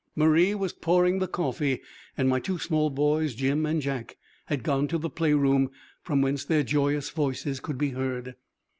Marie was pouring the coffee, and my two small boys, Jim and Jack, had gone to the playroom, from whence their joyous voices could be heard.